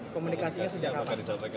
komunikasinya sejak apa